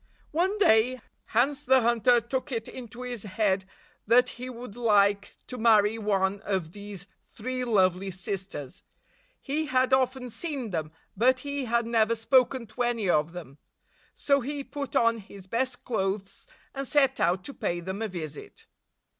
One day, Hans the Hunter took it into his head that he would like to marry one of these three lovely sisters. He had often seen them, but he had never spoken to any of them. So he put on his best clothes, and set out to pay them a visit.